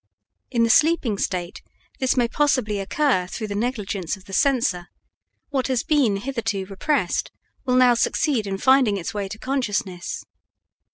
In the sleeping state this may possibly occur through the negligence of the censor; what has been hitherto repressed will now succeed in finding its way to consciousness.